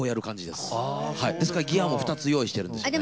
ですからギアも２つ用意してるんですよね。